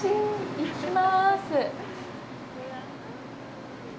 行きます。